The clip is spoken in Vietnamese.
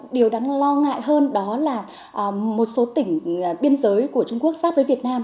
điều đáng lo ngại hơn đó là một số tỉnh biên giới của trung quốc giáp với việt nam